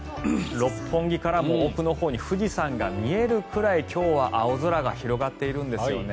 六本木からも遠くのほうに富士山が見えるぐらい今日は青空が広がっているんですよね。